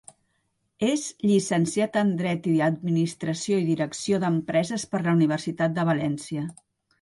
És llicenciat en dret i administració i direcció d'empreses per la Universitat de València.